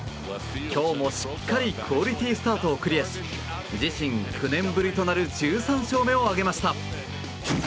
今日もしっかりクオリティースタートをクリアし自身９年ぶりとなる１３勝目を挙げました。